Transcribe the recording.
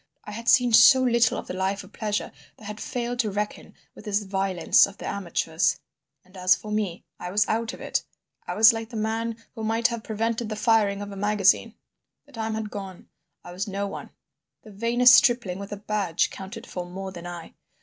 I had seen so little of the life of pleasure that I had failed to reckon with this violence of the amateurs. And as for me, I was out of it. I was like the man who might have prevented the firing of a magazine. The time had gone. I was no one; the vainest stripling with a badge counted for more than I.